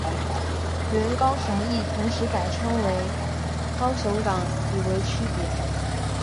原高雄驿同时改称高雄港以为区别。